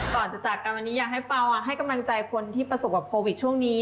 ก่อนจะจากกันวันนี้อยากให้เปล่าให้กำลังใจคนที่ประสบกับโควิดช่วงนี้